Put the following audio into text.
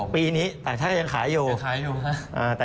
ปีนี้ต่างชาติยังขายอยู่